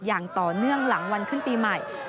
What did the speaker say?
อย่างต่อเนื่องหลังวันขึ้นปีใหม่